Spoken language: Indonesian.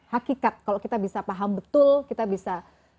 hakikat kalau kita bisa paham betul kita bisa